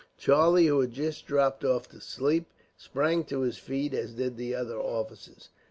Charlie, who had just dropped off to sleep, sprang to his feet, as did the other officers.